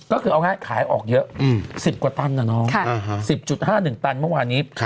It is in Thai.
ก็คือเอาง่ายขายออกเยอะ๑๐กว่าตันนะน้อง๑๐๕๑ตันเมื่อวานนี้